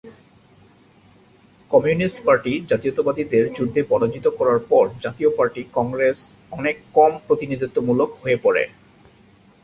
Communist party জাতীয়তাবাদীদের যুদ্ধে পরাজিত করার পর জাতীয় পার্টি কংগ্রেস অনেক কম প্রতিনিধিত্বমূলক হয়ে পড়ে।